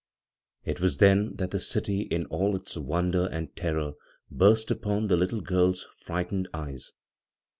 It was then that the city in all its wonder and terror burst upon the little girl's fright ened eyes.